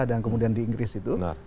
dan kemudian di inggris itu